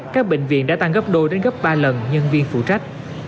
các bệnh viện đã tăng gấp đôi đến gấp ba lần nhân viên phụ trách